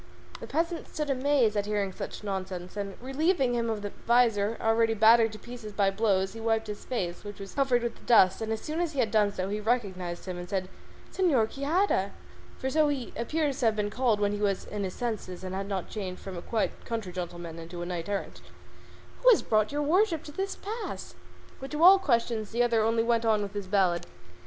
The peasant stood amazed at hearing such nonsense, and relieving him of the visor, already battered to pieces by blows, he wiped his face, which was covered with dust, and as soon as he had done so he recognised him and said, "Señor Quixada" (for so he appears to have been called when he was in his senses and had not yet changed from a quiet country gentleman into a knight errant), "who has brought your worship to this pass?" But to all questions the other only went on with his ballad.